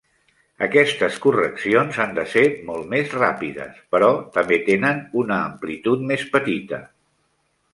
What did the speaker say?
Aquestes correccions han de ser molt més ràpides, però també tenen un amplitud més petita.